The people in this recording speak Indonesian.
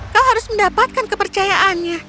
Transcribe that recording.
kau harus mendapatkan kepercayaannya